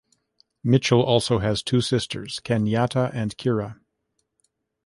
Mitchell also has two sisters, Kenyatta and Kyra.